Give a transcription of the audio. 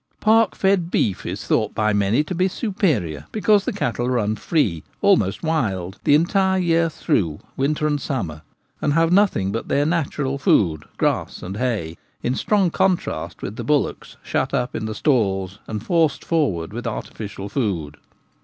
Park fed beef is thought by many to be superior,, because the cattle run free — almost wild — the entire year through, winter and summer, and have nothing but their natural food, grass and hay : in strong con trast with the bullocks shut up in stalls and forced forward with artificial food.